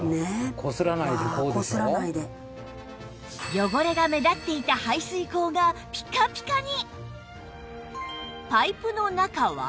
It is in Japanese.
汚れが目立っていた排水口がピカピカに！